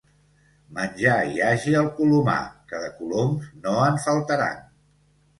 Menjar hi hagi al colomar, que de coloms no en faltaran.